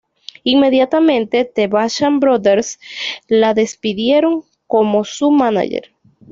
Inmediatamente, The Basham Brothers la despidieron como su mánager.